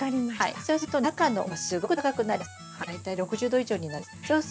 そうすると中の温度がすごく高くなります。